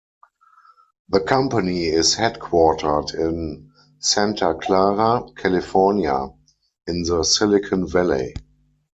The company is headquartered in Santa Clara, California, in the Silicon Valley.